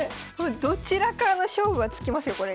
これどちらかの勝負はつきますよ